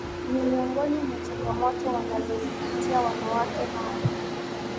Ni miongoni mwa changamoto wanazopitia wanawake hawa